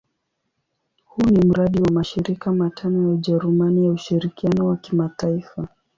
Huu ni mradi wa mashirika matano ya Ujerumani ya ushirikiano wa kimataifa.